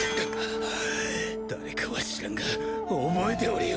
誰かは知らんが覚えておれよ。